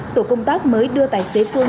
tổ công tác mới đưa tài xế phương